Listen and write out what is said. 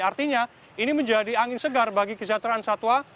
artinya ini menjadi angin segar bagi kesejahteraan satwa